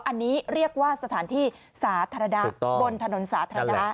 อันนี้เรียกว่าสถานที่สาธารณะบนถนนสาธารณะ